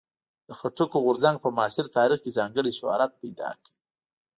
د خټکو غورځنګ په معاصر تاریخ کې ځانګړی شهرت پیدا کړ.